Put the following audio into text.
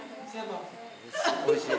おいしい？